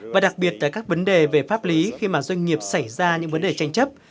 và đặc biệt là các vấn đề về pháp lý khi mà doanh nghiệp xảy ra những vấn đề tranh chấp